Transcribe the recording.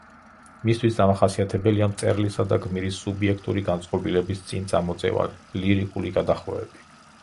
მისთვის დამახასიათებელია მწერლისა და გმირის სუბიექტური განწყობილების წინ წამოწევა, ლირიკული გადახვევები.